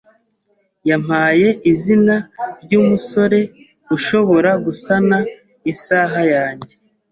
yampaye izina ryumusore ushobora gusana isaha yanjye.